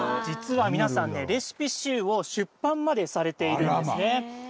実は皆さんね、レシピ集を出版までされているんですね。